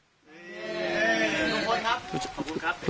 ทุกคนครับ